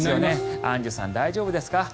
アンジュさん、大丈夫ですか？